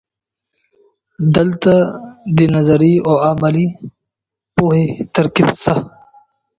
دلته د نظري او عملي پوهې ترکیب سته.